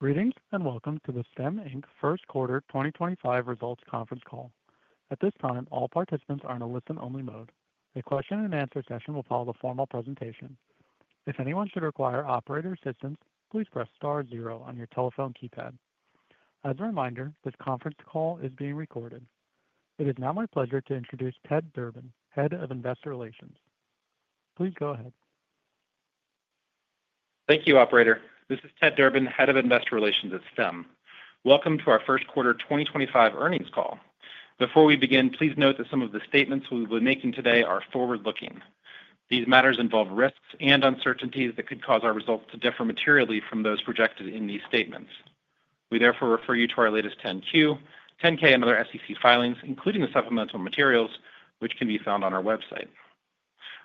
Greetings and welcome to the Stem first quarter 2025 results conference call. At this time, all participants are in a listen-only mode. A question-and-answer session will follow the formal presentation. If anyone should require operator assistance, please press star zero on your telephone keypad. As a reminder, this conference call is being recorded. It is now my pleasure to introduce Ted Durbin, Head of Investor Relations. Please go ahead. Thank you, operator. This is Ted Durbin, Head of Investor Relations at Stem. Welcome to our first quarter 2025 earnings call. Before we begin, please note that some of the statements we will be making today are forward-looking. These matters involve risks and uncertainties that could cause our results to differ materially from those projected in these statements. We therefore refer you to our latest 10-Q, 10-K, and other SEC filings, including the supplemental materials, which can be found on our website.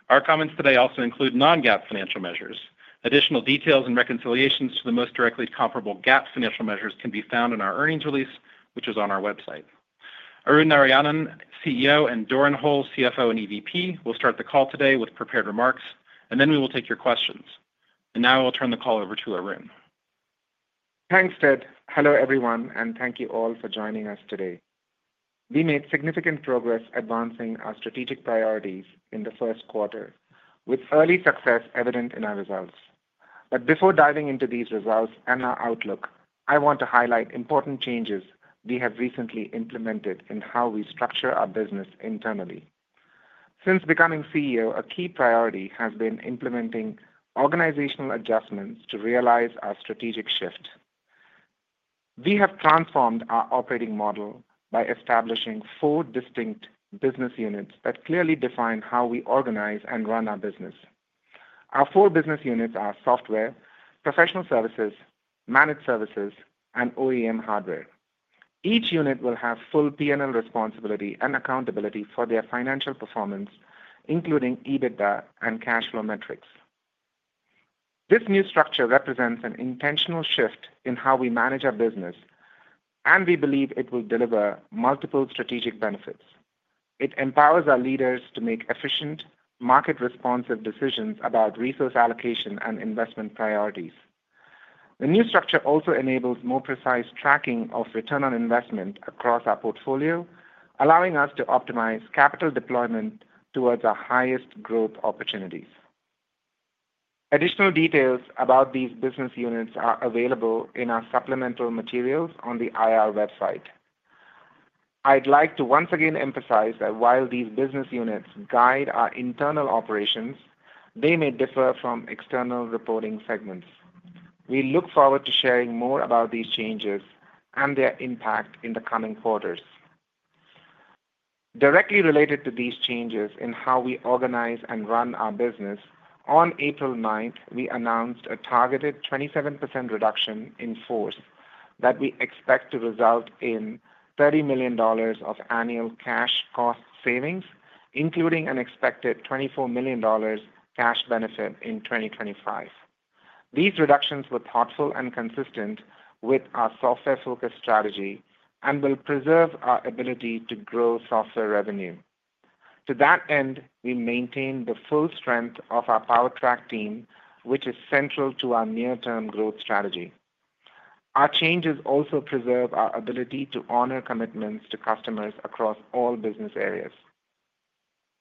Our comments today also include non-GAAP financial measures. Additional details and reconciliations to the most directly comparable GAAP financial measures can be found in our earnings release, which is on our website. Arun Narayanan, CEO, and Doran Hole, CFO and EVP, will start the call today with prepared remarks, then we will take your questions. I will now turn the call over to Arun. Thanks, Ted. Hello, everyone, and thank you all for joining us today. We made significant progress advancing our strategic priorities in the first quarter, with early success evident in our results. Before diving into these results and our outlook, I want to highlight important changes we have recently implemented in how we structure our business internally. Since becoming CEO, a key priority has been implementing organizational adjustments to realize our strategic shift. We have transformed our operating model by establishing four distinct business units that clearly define how we organize and run our business. Our four business units are software, professional services, managed services, and OEM hardware. Each unit will have full P&L responsibility and accountability for their financial performance, including EBITDA and cash flow metrics. This new structure represents an intentional shift in how we manage our business, and we believe it will deliver multiple strategic benefits. It empowers our leaders to make efficient, market-responsive decisions about resource allocation and investment priorities. The new structure also enables more precise tracking of return on investment across our portfolio, allowing us to optimize capital deployment towards our highest growth opportunities. Additional details about these business units are available in our supplemental materials on the IR website. I'd like to once again emphasize that while these business units guide our internal operations, they may differ from external reporting segments. We look forward to sharing more about these changes and their impact in the coming quarters. Directly related to these changes in how we organize and run our business, on April 9, we announced a targeted 27% reduction in force that we expect to result in $30 million of annual cash cost savings, including an expected $24 million cash benefit in 2025. These reductions were thoughtful and consistent with our software-focused strategy and will preserve our ability to grow software revenue. To that end, we maintain the full strength of our PowerTrack team, which is central to our near-term growth strategy. Our changes also preserve our ability to honor commitments to customers across all business areas.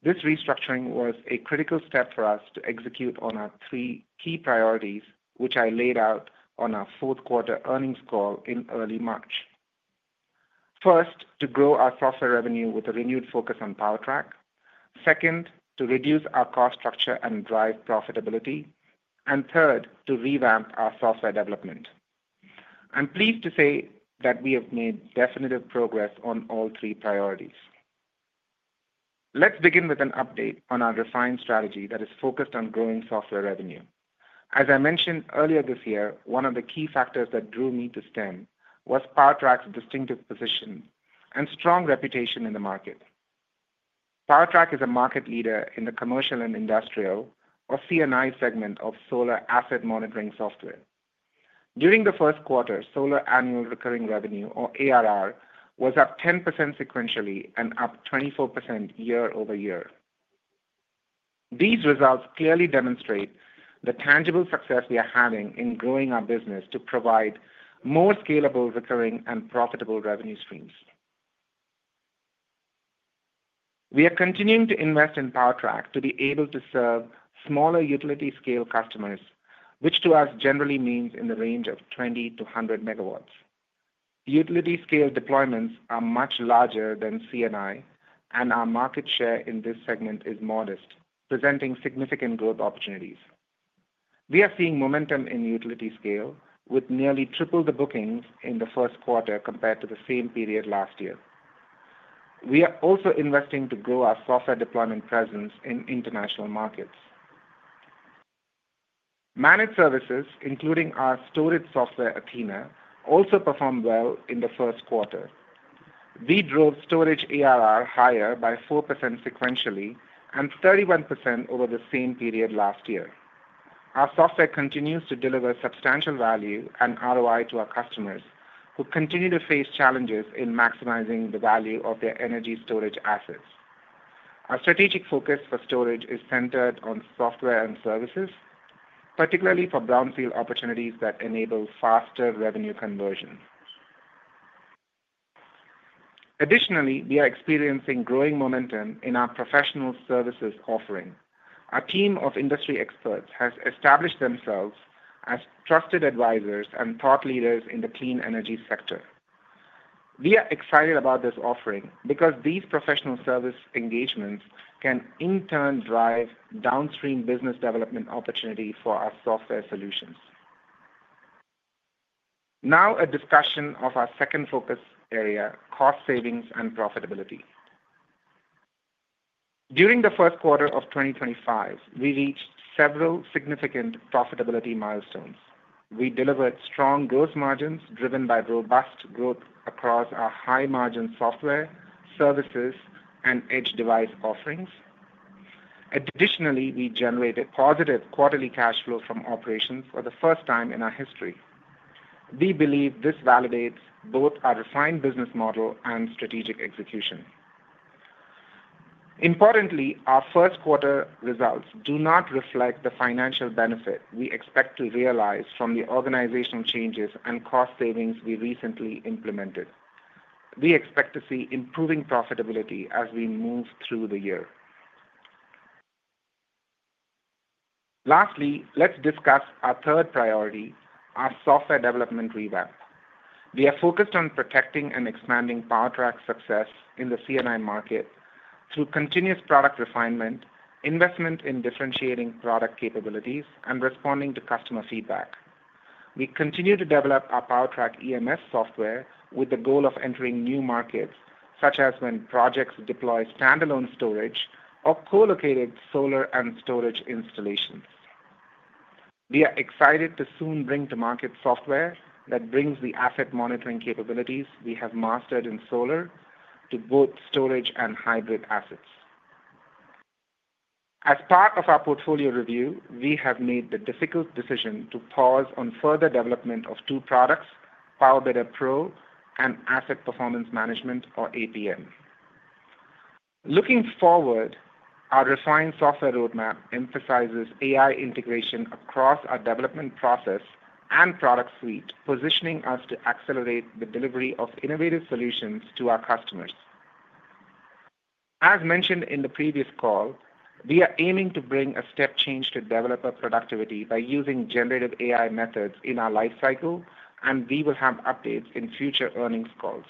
This restructuring was a critical step for us to execute on our three key priorities, which I laid out on our fourth quarter earnings call in early March. First, to grow our software revenue with a renewed focus on PowerTrack. Second, to reduce our cost structure and drive profitability. Third, to revamp our software development. I'm pleased to say that we have made definitive progress on all three priorities. Let's begin with an update on our refined strategy that is focused on growing software revenue. As I mentioned earlier this year, one of the key factors that drew me to Stem was PowerTrack's distinctive position and strong reputation in the market. PowerTrack is a market leader in the commercial and industrial, or CNI, segment of solar asset monitoring software. During the first quarter, solar annual recurring revenue, or ARR, was up 10% sequentially and up 24% year over year. These results clearly demonstrate the tangible success we are having in growing our business to provide more scalable, recurring, and profitable revenue streams. We are continuing to invest in PowerTrack to be able to serve smaller utility-scale customers, which to us generally means in the range of 20-100 megawatts. Utility-scale deployments are much larger than CNI, and our market share in this segment is modest, presenting significant growth opportunities. We are seeing momentum in utility-scale, with nearly triple the bookings in the first quarter compared to the same period last year. We are also investing to grow our software deployment presence in international markets. Managed services, including our storage software, Athena, also performed well in the first quarter. We drove storage ARR higher by 4% sequentially and 31% over the same period last year. Our software continues to deliver substantial value and ROI to our customers, who continue to face challenges in maximizing the value of their energy storage assets. Our strategic focus for storage is centered on software and services, particularly for brownfield opportunities that enable faster revenue conversion. Additionally, we are experiencing growing momentum in our professional services offering. Our team of industry experts has established themselves as trusted advisors and thought leaders in the clean energy sector. We are excited about this offering because these professional service engagements can, in turn, drive downstream business development opportunity for our software solutions. Now, a discussion of our second focus area, cost savings and profitability. During the first quarter of 2025, we reached several significant profitability milestones. We delivered strong gross margins driven by robust growth across our high-margin software, services, and edge device offerings. Additionally, we generated positive quarterly cash flow from operations for the first time in our history. We believe this validates both our refined business model and strategic execution. Importantly, our first quarter results do not reflect the financial benefit we expect to realize from the organizational changes and cost savings we recently implemented. We expect to see improving profitability as we move through the year. Lastly, let's discuss our third priority, our software development revamp. We are focused on protecting and expanding PowerTrack's success in the CNI market through continuous product refinement, investment in differentiating product capabilities, and responding to customer feedback. We continue to develop our PowerTrack EMS software with the goal of entering new markets, such as when projects deploy standalone storage or co-located solar and storage installations. We are excited to soon bring to market software that brings the asset monitoring capabilities we have mastered in solar to both storage and hybrid assets. As part of our portfolio review, we have made the difficult decision to pause on further development of two products, PowerBidder Pro and Asset Performance Management, or APM. Looking forward, our refined software roadmap emphasizes AI integration across our development process and product suite, positioning us to accelerate the delivery of innovative solutions to our customers. As mentioned in the previous call, we are aiming to bring a step change to developer productivity by using generative AI methods in our lifecycle, and we will have updates in future earnings calls.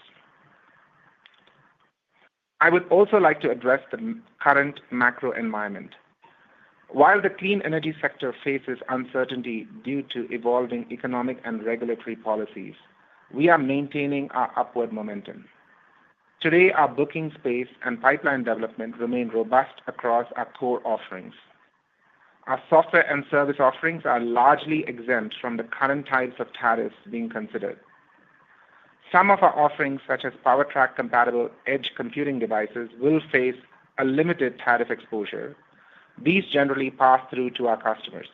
I would also like to address the current macro environment. While the clean energy sector faces uncertainty due to evolving economic and regulatory policies, we are maintaining our upward momentum. Today, our booking space and pipeline development remain robust across our core offerings. Our software and service offerings are largely exempt from the current types of tariffs being considered. Some of our offerings, such as PowerTrack-compatible edge computing devices, will face a limited tariff exposure. These generally pass through to our customers.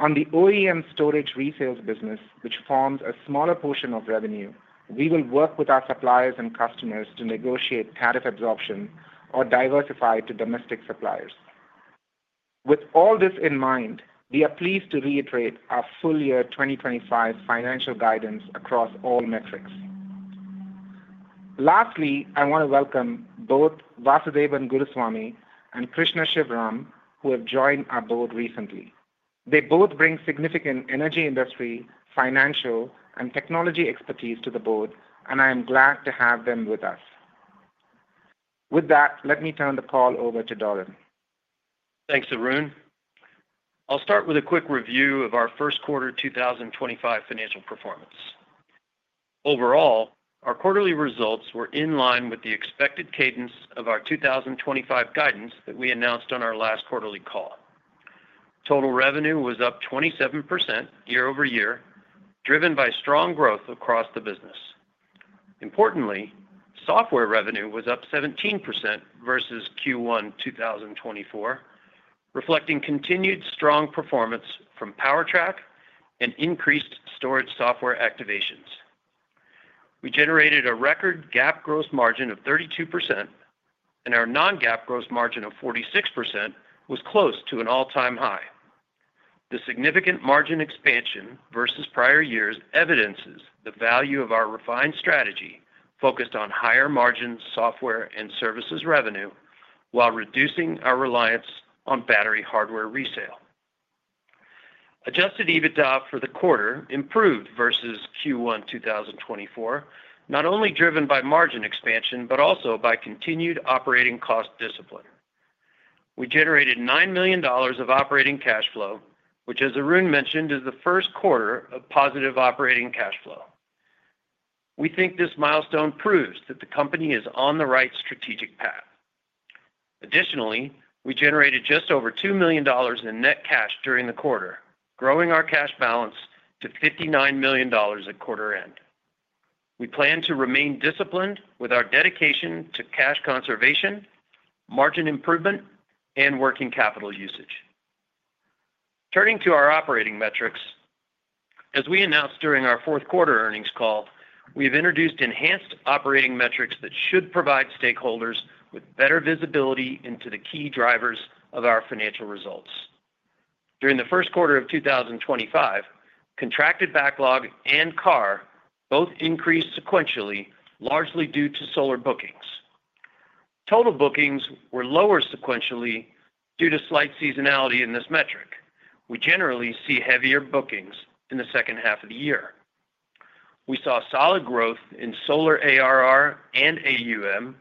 On the OEM storage resales business, which forms a smaller portion of revenue, we will work with our suppliers and customers to negotiate tariff absorption or diversify to domestic suppliers. With all this in mind, we are pleased to reiterate our full year 2025 financial guidance across all metrics. Lastly, I want to welcome both Vasudevan Guruswamy and Krishna Shivram, who have joined our board recently. They both bring significant energy industry, financial, and technology expertise to the board, and I am glad to have them with us. With that, let me turn the call over to Doran. Thanks, Arun. I'll start with a quick review of our first quarter 2025 financial performance. Overall, our quarterly results were in line with the expected cadence of our 2025 guidance that we announced on our last quarterly call. Total revenue was up 27% year over year, driven by strong growth across the business. Importantly, software revenue was up 17% versus Q1 2024, reflecting continued strong performance from PowerTrack and increased storage software activations. We generated a record GAAP gross margin of 32%, and our non-GAAP gross margin of 46% was close to an all-time high. The significant margin expansion versus prior years evidences the value of our refined strategy focused on higher margin software and services revenue while reducing our reliance on battery hardware resale. Adjusted EBITDA for the quarter improved versus Q1 2024, not only driven by margin expansion but also by continued operating cost discipline. We generated $9 million of operating cash flow, which, as Arun mentioned, is the first quarter of positive operating cash flow. We think this milestone proves that the company is on the right strategic path. Additionally, we generated just over $2 million in net cash during the quarter, growing our cash balance to $59 million at quarter end. We plan to remain disciplined with our dedication to cash conservation, margin improvement, and working capital usage. Turning to our operating metrics, as we announced during our fourth quarter earnings call, we have introduced enhanced operating metrics that should provide stakeholders with better visibility into the key drivers of our financial results. During the first quarter of 2025, contracted backlog and ARR both increased sequentially, largely due to solar bookings. Total bookings were lower sequentially due to slight seasonality in this metric. We generally see heavier bookings in the second half of the year. We saw solid growth in solar ARR and AUM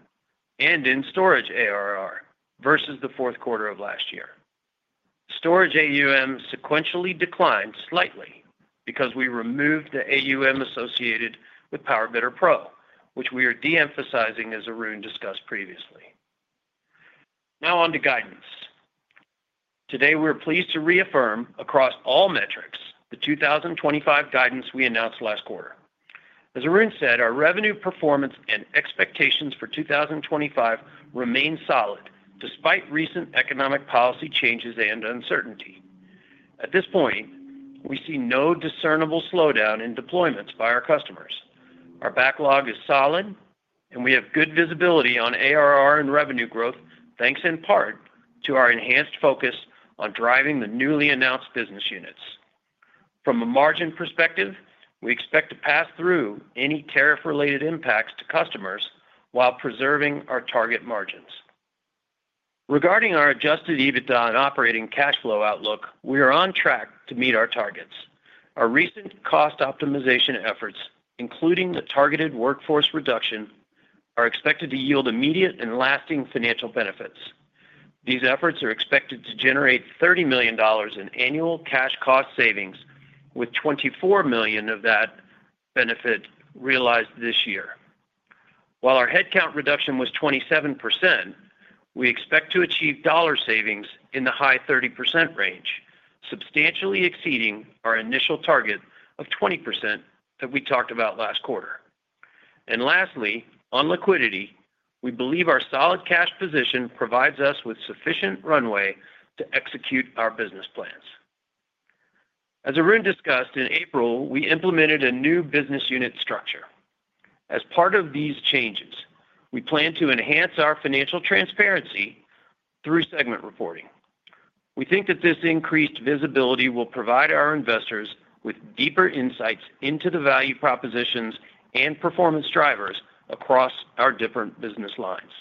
and in storage ARR versus the fourth quarter of last year. Storage AUM sequentially declined slightly because we removed the AUM associated with PowerBidder Pro, which we are de-emphasizing, as Arun discussed previously. Now on to guidance. Today, we're pleased to reaffirm across all metrics the 2025 guidance we announced last quarter. As Arun said, our revenue performance and expectations for 2025 remain solid despite recent economic policy changes and uncertainty. At this point, we see no discernible slowdown in deployments by our customers. Our backlog is solid, and we have good visibility on ARR and revenue growth, thanks in part to our enhanced focus on driving the newly announced business units. From a margin perspective, we expect to pass through any tariff-related impacts to customers while preserving our target margins. Regarding our adjusted EBITDA and operating cash flow outlook, we are on track to meet our targets. Our recent cost optimization efforts, including the targeted workforce reduction, are expected to yield immediate and lasting financial benefits. These efforts are expected to generate $30 million in annual cash cost savings, with $24 million of that benefit realized this year. While our headcount reduction was 27%, we expect to achieve dollar savings in the high 30% range, substantially exceeding our initial target of 20% that we talked about last quarter. Lastly, on liquidity, we believe our solid cash position provides us with sufficient runway to execute our business plans. As Arun discussed in April, we implemented a new business unit structure. As part of these changes, we plan to enhance our financial transparency through segment reporting. We think that this increased visibility will provide our investors with deeper insights into the value propositions and performance drivers across our different business lines.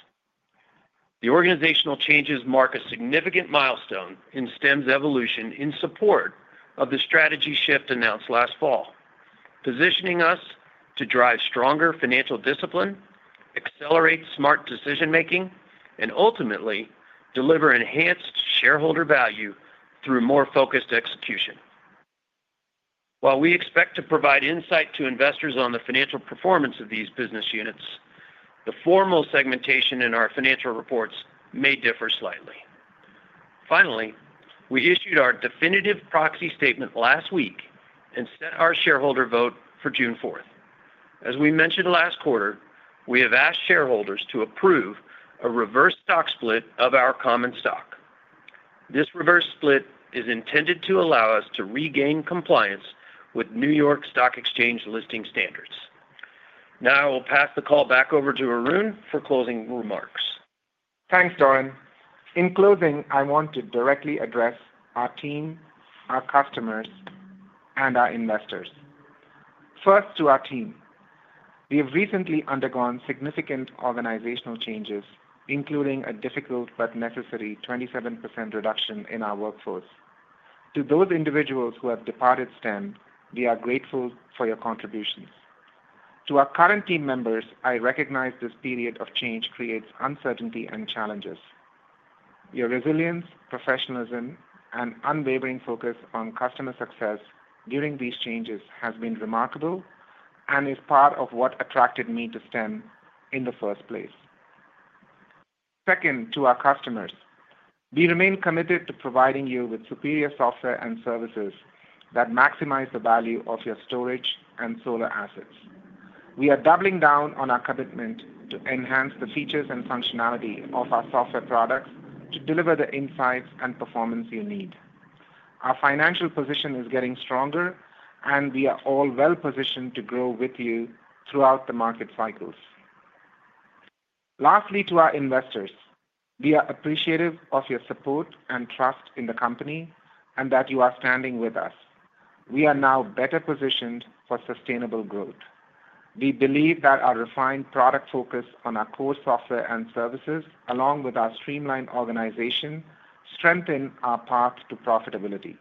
The organizational changes mark a significant milestone in Stem's evolution in support of the strategy shift announced last fall, positioning us to drive stronger financial discipline, accelerate smart decision-making, and ultimately deliver enhanced shareholder value through more focused execution. While we expect to provide insight to investors on the financial performance of these business units, the formal segmentation in our financial reports may differ slightly. Finally, we issued our definitive proxy statement last week and set our shareholder vote for June 4th. As we mentioned last quarter, we have asked shareholders to approve a reverse stock split of our common stock. This reverse split is intended to allow us to regain compliance with New York Stock Exchange listing standards. Now, I will pass the call back over to Arun for closing remarks. Thanks, Doran. In closing, I want to directly address our team, our customers, and our investors. First, to our team. We have recently undergone significant organizational changes, including a difficult but necessary 27% reduction in our workforce. To those individuals who have departed Stem, we are grateful for your contributions. To our current team members, I recognize this period of change creates uncertainty and challenges. Your resilience, professionalism, and unwavering focus on customer success during these changes have been remarkable and is part of what attracted me to Stem in the first place. Second, to our customers. We remain committed to providing you with superior software and services that maximize the value of your storage and solar assets. We are doubling down on our commitment to enhance the features and functionality of our software products to deliver the insights and performance you need. Our financial position is getting stronger, and we are all well-positioned to grow with you throughout the market cycles. Lastly, to our investors. We are appreciative of your support and trust in the company and that you are standing with us. We are now better positioned for sustainable growth. We believe that our refined product focus on our core software and services, along with our streamlined organization, strengthens our path to profitability.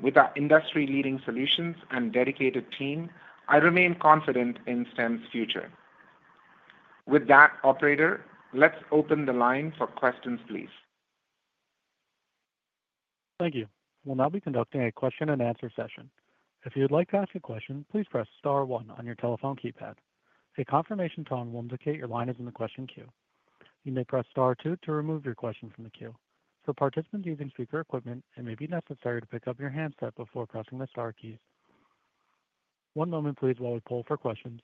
With our industry-leading solutions and dedicated team, I remain confident in Stem's future. With that, Operator, let's open the line for questions, please. Thank you. We'll now be conducting a question-and-answer session. If you'd like to ask a question, please press Star 1 on your telephone keypad. A confirmation tone will indicate your line is in the question queue. You may press Star 2 to remove your question from the queue. For participants using speaker equipment, it may be necessary to pick up your handset before pressing the Star keys. One moment, please, while we pull for questions.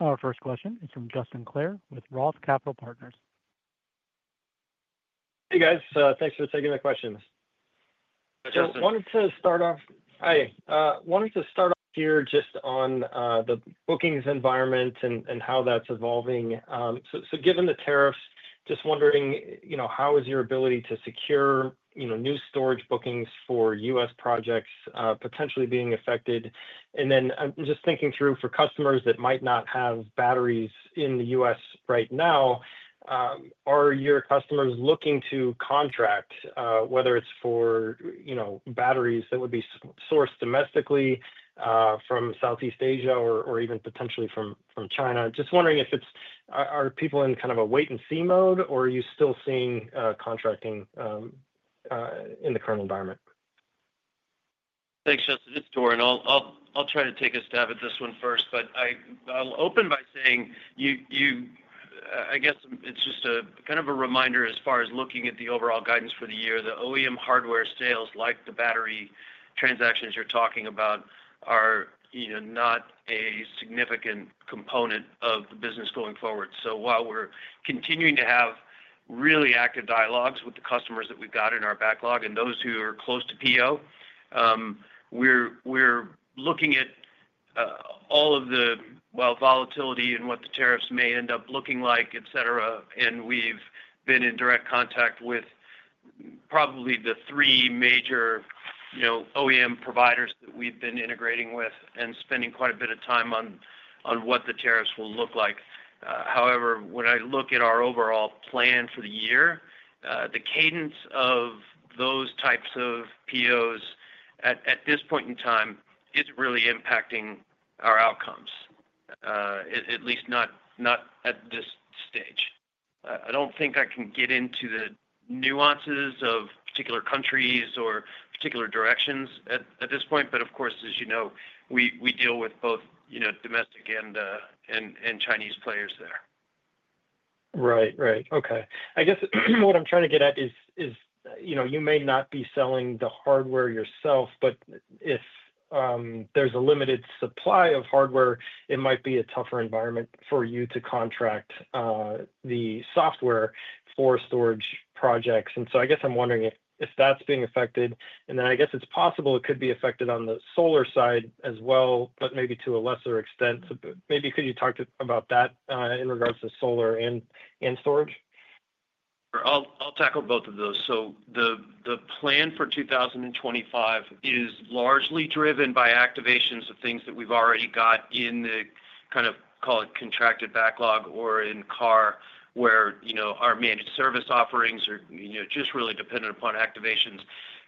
Our first question is from Justin Claire with Roth Capital Partners. Hey, guys. Thanks for taking the questions. Justin. I wanted to start off, I wanted to start off here just on the bookings environment and how that's evolving. Given the tariffs, just wondering how is your ability to secure new storage bookings for U.S. projects potentially being affected? I'm just thinking through for customers that might not have batteries in the U.S. right now, are your customers looking to contract, whether it's for batteries that would be sourced domestically from Southeast Asia or even potentially from China? Just wondering if it's, are people in kind of a wait-and-see mode, or are you still seeing contracting in the current environment? Thanks, Justin. It's Doran. I'll try to take a stab at this one first, but I'll open by saying you—I guess it's just kind of a reminder as far as looking at the overall guidance for the year. The OEM hardware sales, like the battery transactions you're talking about, are not a significant component of the business going forward. While we're continuing to have really active dialogues with the customers that we've got in our backlog and those who are close to PO, we're looking at all of the, well, volatility and what the tariffs may end up looking like, etc. We've been in direct contact with probably the three major OEM providers that we've been integrating with and spending quite a bit of time on what the tariffs will look like. However, when I look at our overall plan for the year, the cadence of those types of POs at this point in time is not really impacting our outcomes, at least not at this stage. I do not think I can get into the nuances of particular countries or particular directions at this point, but of course, as you know, we deal with both domestic and Chinese players there. Right. Right. Okay. I guess what I'm trying to get at is you may not be selling the hardware yourself, but if there's a limited supply of hardware, it might be a tougher environment for you to contract the software for storage projects. I guess I'm wondering if that's being affected. I guess it's possible it could be affected on the solar side as well, but maybe to a lesser extent. Maybe could you talk about that in regards to solar and storage? I'll tackle both of those. The plan for 2025 is largely driven by activations of things that we've already got in the kind of, call it, contracted backlog or in ARR, where our managed service offerings are just really dependent upon activations.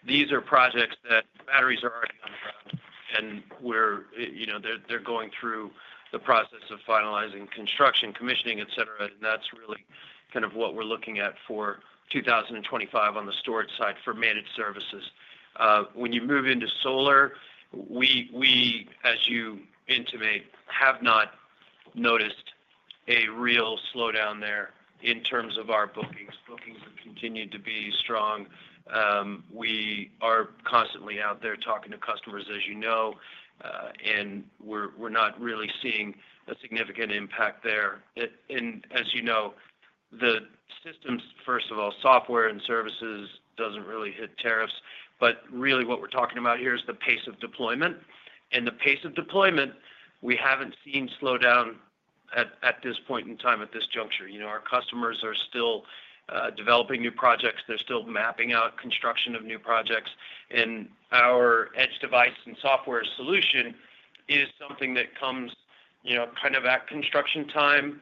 These are projects that batteries are already underground, and they're going through the process of finalizing construction, commissioning, etc. That's really kind of what we're looking at for 2025 on the storage side for managed services. When you move into solar, we, as you intimate, have not noticed a real slowdown there in terms of our bookings. Bookings have continued to be strong. We are constantly out there talking to customers, as you know, and we're not really seeing a significant impact there. As you know, the systems, first of all, software and services doesn't really hit tariffs. What we're talking about here is the pace of deployment. The pace of deployment, we haven't seen slow down at this point in time, at this juncture. Our customers are still developing new projects. They're still mapping out construction of new projects. Our edge device and software solution is something that comes kind of at construction time.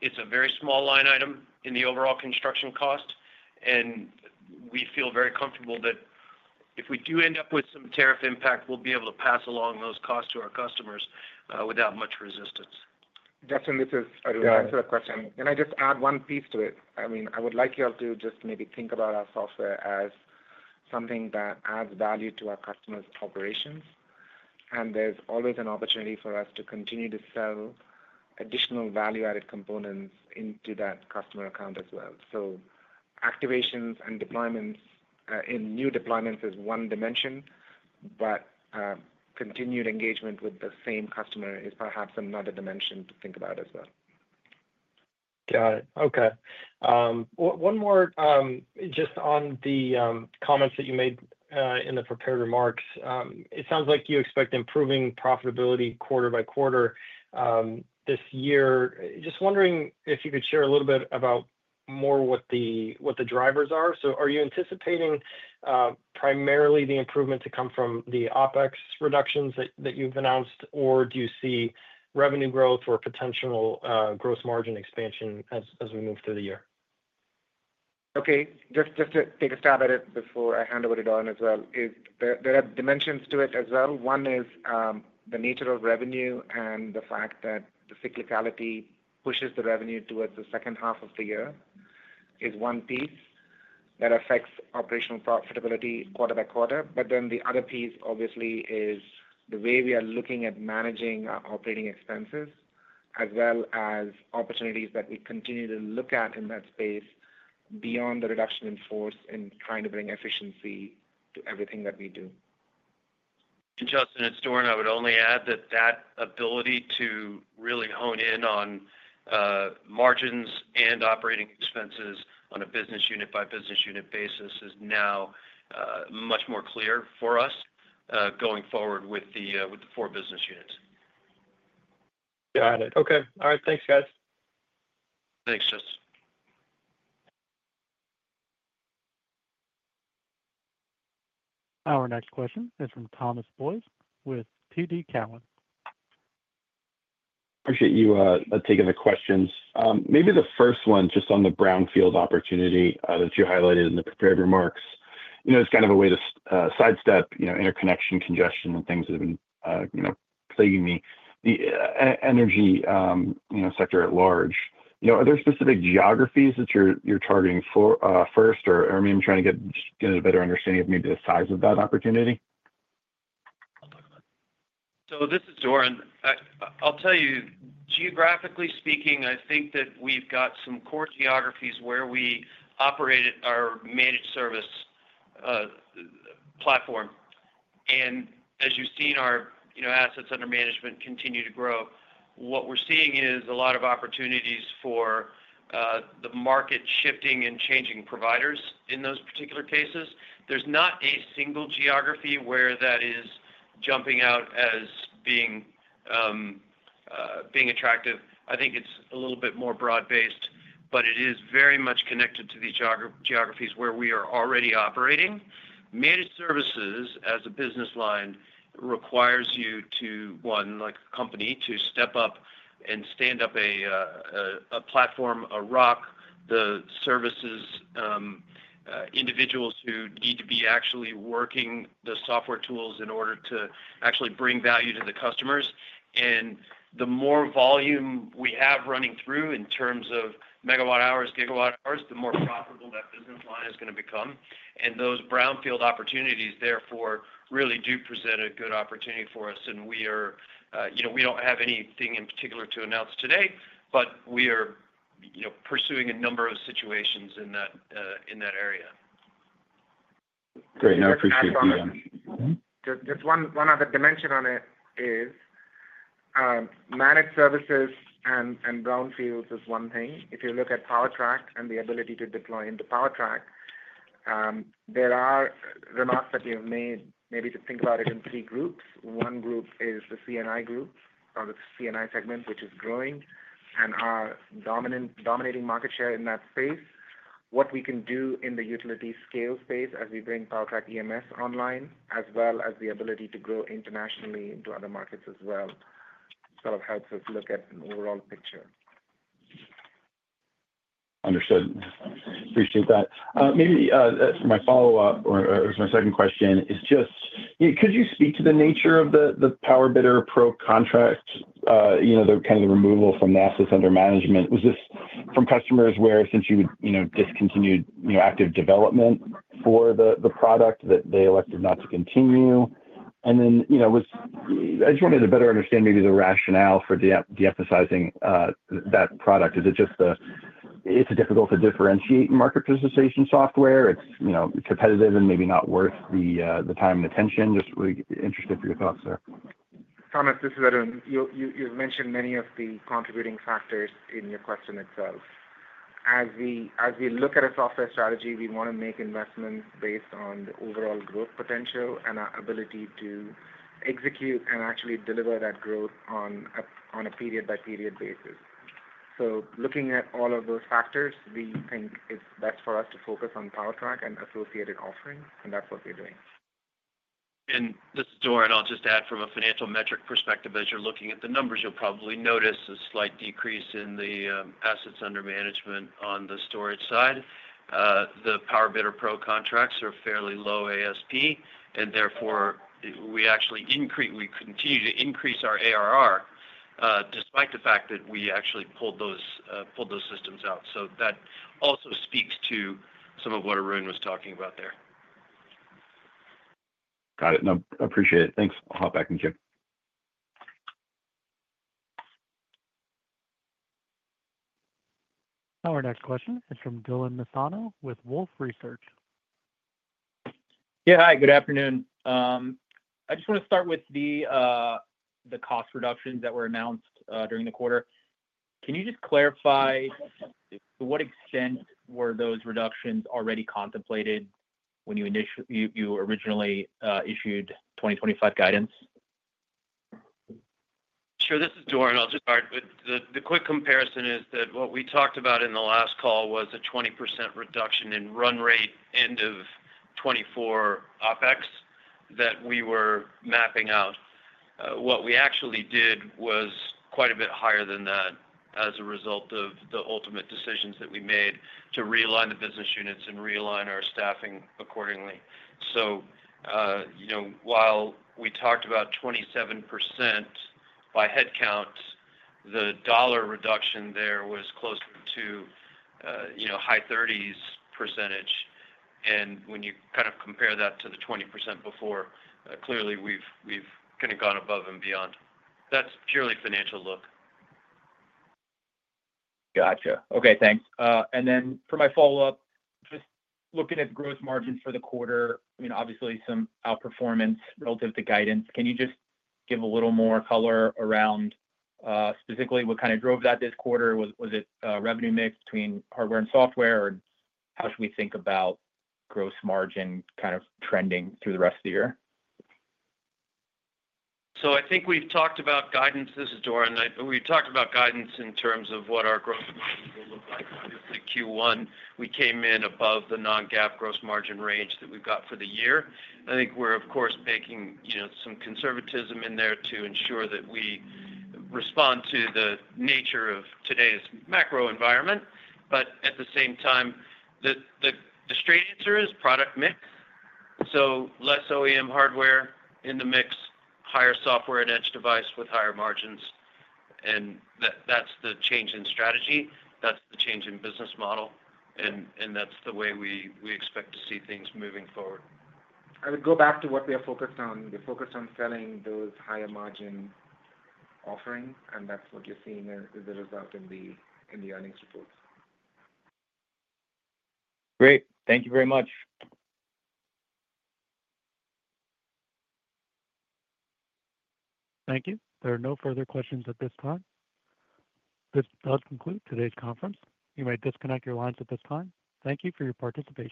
It's a very small line item in the overall construction cost. We feel very comfortable that if we do end up with some tariff impact, we'll be able to pass along those costs to our customers without much resistance. Justin, this is—I don't know. Yeah. Answer the question. Can I just add one piece to it? I mean, I would like y'all to just maybe think about our software as something that adds value to our customers' operations. And there's always an opportunity for us to continue to sell additional value-added components into that customer account as well. Activations and deployments and new deployments is one dimension, but continued engagement with the same customer is perhaps another dimension to think about as well. Got it. Okay. One more, just on the comments that you made in the prepared remarks. It sounds like you expect improving profitability quarter by quarter this year. Just wondering if you could share a little bit about more what the drivers are. Are you anticipating primarily the improvement to come from the OpEx reductions that you've announced, or do you see revenue growth or potential gross margin expansion as we move through the year? Okay. Just to take a stab at it before I hand over to Doran as well, there are dimensions to it as well. One is the nature of revenue and the fact that the cyclicality pushes the revenue towards the second half of the year is one piece that affects operational profitability quarter by quarter. The other piece, obviously, is the way we are looking at managing our operating expenses as well as opportunities that we continue to look at in that space beyond the reduction in force and trying to bring efficiency to everything that we do. Justin, it's Doran. I would only add that that ability to really hone in on margins and operating expenses on a business unit by business unit basis is now much more clear for us going forward with the four business units. Got it. Okay. All right. Thanks, guys. Thanks, Justin. Our next question is from Thomas Boys with TD Cowen. Appreciate you taking the questions. Maybe the first one, just on the brownfield opportunity that you highlighted in the prepared remarks, it's kind of a way to sidestep interconnection, congestion, and things that have been plaguing the energy sector at large. Are there specific geographies that you're targeting first, or are we trying to get a better understanding of maybe the size of that opportunity? This is Doran. I'll tell you, geographically speaking, I think that we've got some core geographies where we operate our managed service platform. As you've seen, our assets under management continue to grow. What we're seeing is a lot of opportunities for the market shifting and changing providers in those particular cases. There's not a single geography where that is jumping out as being attractive. I think it's a little bit more broad-based, but it is very much connected to these geographies where we are already operating. Managed services as a business line requires you to, one, like a company, to step up and stand up a platform, a rock, the services, individuals who need to be actually working the software tools in order to actually bring value to the customers. The more volume we have running through in terms of megawatt hours, gigawatt hours, the more profitable that business line is going to become. Those brownfield opportunities, therefore, really do present a good opportunity for us. We do not have anything in particular to announce today, but we are pursuing a number of situations in that area. Great. I appreciate the. Just one other dimension on it is managed services and brownfields is one thing. If you look at PowerTrack and the ability to deploy into PowerTrack, there are remarks that you've made maybe to think about it in three groups. One group is the CNI group or the CNI segment, which is growing and our dominating market share in that space. What we can do in the utility-scale space as we bring PowerTrack EMS online, as well as the ability to grow internationally into other markets as well, sort of helps us look at an overall picture. Understood. Appreciate that. Maybe my follow-up or my second question is just, could you speak to the nature of the PowerBidder Pro contract, kind of the removal from assets under management? Was this from customers where, since you discontinued active development for the product, that they elected not to continue? I just wanted to better understand maybe the rationale for de-emphasizing that product. Is it just that it's difficult to differentiate market participation software? It's competitive and maybe not worth the time and attention. Just interested for your thoughts there. Thomas, this is Arun. You've mentioned many of the contributing factors in your question itself. As we look at a software strategy, we want to make investments based on the overall growth potential and our ability to execute and actually deliver that growth on a period-by-period basis. Looking at all of those factors, we think it's best for us to focus on PowerTrack and associated offerings, and that's what we're doing. This is Doran. I'll just add from a financial metric perspective, as you're looking at the numbers, you'll probably notice a slight decrease in the assets under management on the storage side. The PowerBidder Pro contracts are fairly low ASP, and therefore, we actually continue to increase our ARR despite the fact that we actually pulled those systems out. That also speaks to some of what Arun was talking about there. Got it. No, appreciate it. Thanks. I'll hop back in here. Our next question is from Dylan Nassano with Wolfe Research. Yeah. Hi. Good afternoon. I just want to start with the cost reductions that were announced during the quarter. Can you just clarify to what extent were those reductions already contemplated when you originally issued 2025 guidance? Sure. This is Doran. I'll just start with the quick comparison is that what we talked about in the last call was a 20% reduction in run rate end of 2024 OpEx that we were mapping out. What we actually did was quite a bit higher than that as a result of the ultimate decisions that we made to realign the business units and realign our staffing accordingly. While we talked about 27% by headcount, the dollar reduction there was closer to high 30s %. When you kind of compare that to the 20% before, clearly, we've kind of gone above and beyond. That's purely financial look. Gotcha. Okay. Thanks. For my follow-up, just looking at the gross margin for the quarter, I mean, obviously, some outperformance relative to guidance. Can you just give a little more color around specifically what kind of drove that this quarter? Was it revenue mix between hardware and software, or how should we think about gross margin kind of trending through the rest of the year? I think we've talked about guidance. This is Doran. We've talked about guidance in terms of what our growth will look like. Obviously, Q1, we came in above the non-GAAP gross margin range that we've got for the year. I think we're, of course, baking some conservatism in there to ensure that we respond to the nature of today's macro environment. At the same time, the straight answer is product mix. Less OEM hardware in the mix, higher software and edge device with higher margins. That's the change in strategy. That's the change in business model. That's the way we expect to see things moving forward. I would go back to what we are focused on. We're focused on selling those higher margin offerings, and that's what you're seeing as a result in the earnings reports. Great. Thank you very much. Thank you. There are no further questions at this time. This does conclude today's conference. You may disconnect your lines at this time. Thank you for your participation.